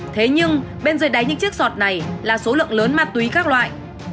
thế nhưng bên dưới đáy những chiếc sọt này là số lượng lớn ma túy các loại